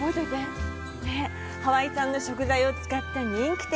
ハワイ産の食材を使った人気店。